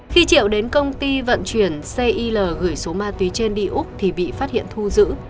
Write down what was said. khi triệu đến công ty vận chuyển cil gửi số ma túy trên đi úc thì bị phát hiện thu giữ